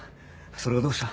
それがどうした。